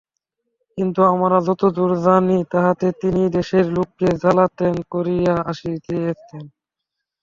কিন্তু আমরা যতদূর জানি তাহাতে তিনিই দেশের লোককে জ্বালাতন করিয়া আসিতেছেন।